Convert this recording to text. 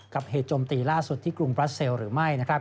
เหตุจมตีล่าสุดที่กรุงบราเซลหรือไม่